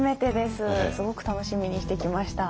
すごく楽しみにしてきました。